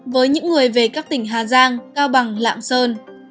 với những người về các tỉnh hà giang cao bằng lạng sơn